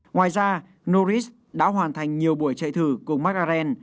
ngoài ra norris đã hoàn thành nhiều buổi chạy thử cùng mclaren